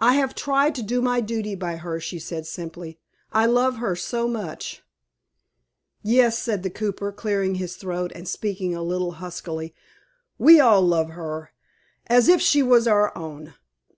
"I have tried to do my duty by her," she said, simply; "I love her so much." "Yes," said the cooper, clearing his throat, and speaking a little huskily, "we all love her as if she was our own.